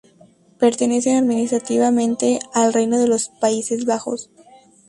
Pertenecen administrativamente al Reino de los Países Bajos.